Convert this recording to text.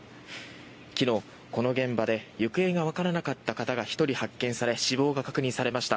昨日、この現場で行方がわからなかった方が１人発見され死亡が確認されました。